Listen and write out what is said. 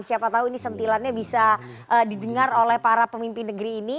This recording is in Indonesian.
siapa tahu ini sentilannya bisa didengar oleh para pemimpin negeri ini